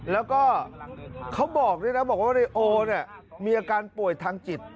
แล้วก็เขาบอกนี่นะบอกว่านายโอมีอาการป่วยทางจิต